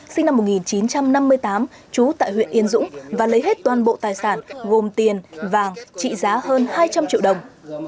sinh năm một nghìn chín trăm năm mươi tám trú tại huyện yên dũng và lấy hết toàn bộ tài sản gồm tiền vàng trị giá hơn hai trăm linh triệu đồng